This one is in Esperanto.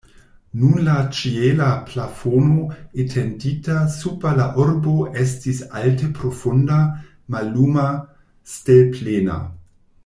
Nun la ĉiela plafono etendita super la urbo estis alte profunda, malluma, stelplena.